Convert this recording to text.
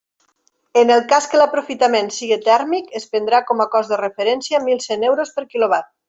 En el cas que l'aprofitament siga tèrmic es prendrà com a cost de referència mil cent euros per quilovat.